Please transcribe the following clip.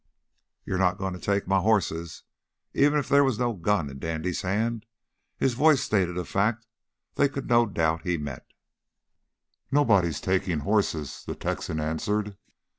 "You're not going to take my horses!" Even if there was no gun in Dandy's hand, his voice stated a fact they could not doubt he meant. "Nobody's takin' hosses," the Texan answered.